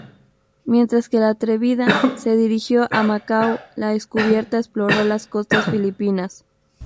Mientras que la "Atrevida" se dirigió a Macao, la "Descubierta" exploró las costas filipinas.